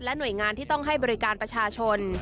หน่วยงานที่ต้องให้บริการประชาชน